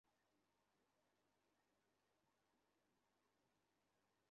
এ পাথরটি কে নিয়ে এসেছে।